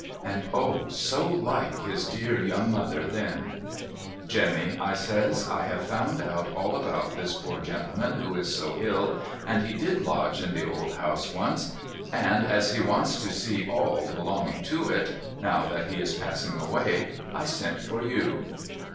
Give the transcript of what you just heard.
And O so like his dear young mother then !' Jemmy ' I says, ' I have found out all about this poor gentle man who is so ill, and he did lodge in the old house once. And as he wants to see all belonging to it, now that he is passing away, I sent for you.'